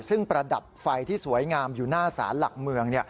ซึ่งประดับไฟที่สวยงามอยู่หน้าศาลหลักเมือง